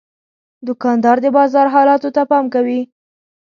دوکاندار د بازار حالاتو ته پام کوي.